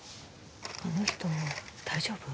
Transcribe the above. あの人大丈夫？